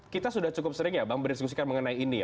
kita sudah cukup sering ya bang berdiskusikan mengenai ini ya